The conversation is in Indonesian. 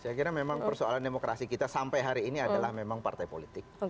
saya kira memang persoalan demokrasi kita sampai hari ini adalah memang partai politik